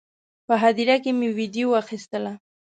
په هدیره کې مې ویډیو اخیستله.